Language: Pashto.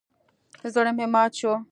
زړه مې مات شو.